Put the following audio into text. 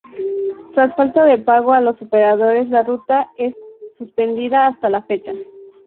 Tras falta de pago a los operadores la Ruta es suspendida hasta la fecha.